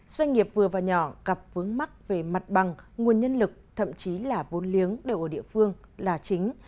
doanh nghiệp vừa và nhỏ gặp vướng mắt về mặt bằng nguồn nhân lực thậm chí là vốn liếng đều ở địa phương là chính